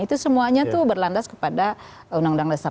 itu semuanya tuh berlandas kepada undang undang dasar empat puluh lima